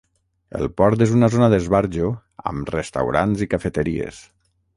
El port és una zona d'esbarjo amb restaurants i cafeteries.